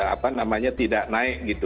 apa namanya tidak naik gitu